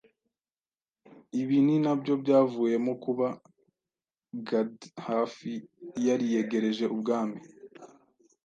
Ibi ni nabyo byavuyemo kuba Gadhafi yariyegereje Ubwami